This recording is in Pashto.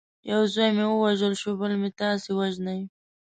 یو زوی مې ووژل شو بل مې تاسي وژنئ.